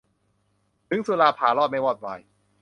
ถึงสุรา พารอด ไม่วอดวาย